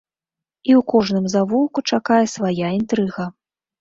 І ў кожным завулку чакае свая інтрыга.